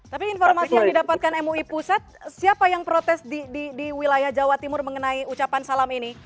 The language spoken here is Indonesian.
tapi informasi yang didapatkan mui pusat siapa yang protes di wilayah jawa timur mengenai ucapan salam ini